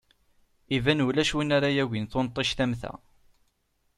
Iban ulac win ara yagin tunṭict am ta!